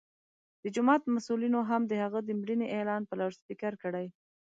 د جومات مسؤلینو هم د هغه د مړینې اعلان په لوډسپیکر کړی.